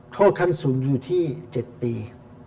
ขั้นสูงอยู่ที่๗ปี